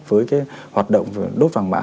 với cái hoạt động đốt vàng mã